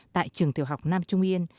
tại trường tiểu học nam trung yên